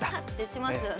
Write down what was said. しますよね。